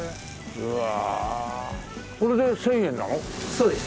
そうです。